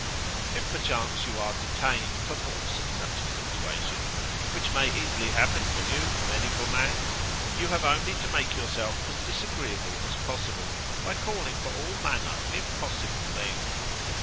If perchance you are detained perforce in such a situation, which may easily happen to you, medical man, you have only to make yourself as disagreeable as possible, by calling for all manner of impossible things.